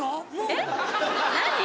えっ？何？